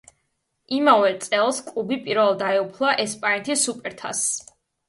იმავე წელს კლუბი პირველად დაეუფლა ესპანეთის სუპერთასს.